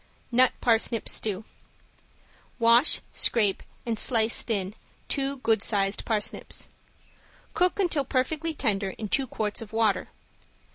~NUT PARSNIP STEW~ Wash, scrape and slice thin two good sized parsnips. Cook until perfectly tender in two quarts of water.